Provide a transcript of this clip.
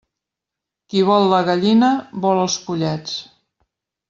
Qui vol la gallina, vol els pollets.